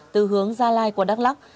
từ hướng gia lai qua đắk lắc